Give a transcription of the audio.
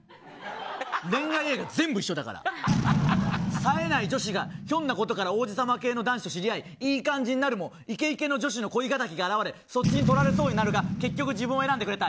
さえない女子がひょんなことから王子様系の男子と知り合りいい感じになるもイケイケの女子の恋敵が現れそっちにとられそうになるが結局、自分を選んでくれた。